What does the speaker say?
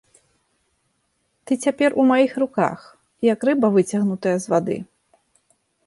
Ты цяпер у маіх руках, як рыба выцягнутая з вады.